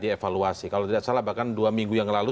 dievaluasi kalau tidak salah bahkan dua minggu yang lalu